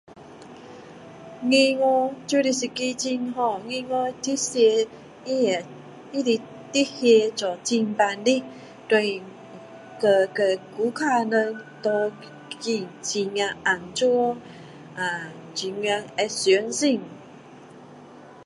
银行就是一个很好银行接受他的手续做得很整齐和和顾客们拿钱很安全真很相信